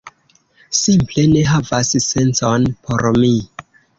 Simple ne havas sencon por mi